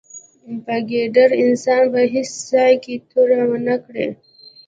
په ګیدړ انسان به په هېڅ ځای کې توره و نه کړې.